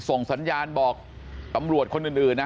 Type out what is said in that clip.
ส่งสัญญาณบอกตำรวจคนอื่นนะ